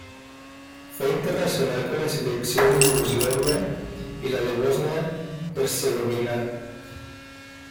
Fue internacional con la selección de Yugoslavia y la de Bosnia-Herzegovina.